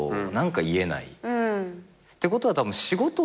ってことはたぶん仕事。